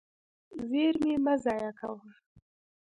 زیرمې مه ضایع کوه.